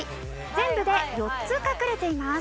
全部で４つ隠れています。